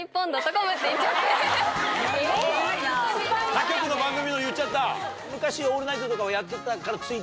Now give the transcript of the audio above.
他局の番組のを言っちゃった。